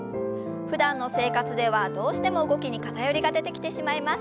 ふだんの生活ではどうしても動きに偏りが出てきてしまいます。